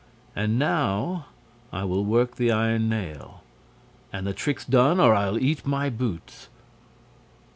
And now I will work the iron nail. And the trick's done, or I'll eat my boots!"